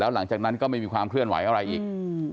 หลังจากนั้นก็ไม่มีความเคลื่อนไหวอะไรอีก